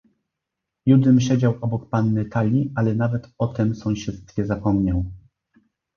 "Judym siedział obok panny Tali, ale nawet o tem sąsiedztwie zapomniał."